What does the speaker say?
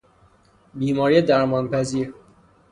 بیماری درمان پذیر